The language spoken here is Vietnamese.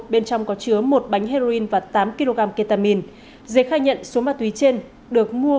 bên trong có chứa một bánh heroin và tám kg ketamin dế khai nhận số ma túy trên được mua